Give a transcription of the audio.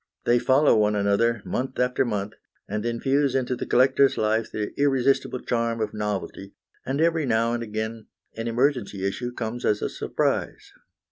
They follow one another month after month, and infuse into the collector's life the irresistible charm of novelty, and every now and again an emergency issue comes as a surprise.